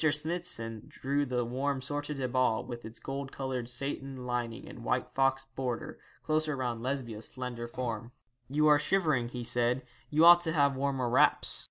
Smithson drew the warm sortie de bal, with its gold coloured satin lining and white fox border, closer round Lesbia's slender form. 'You are shivering,' he said; 'you ought to have warmer wraps.